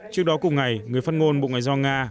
trước đó cùng ngày người phát ngôn bộ ngoại giao nga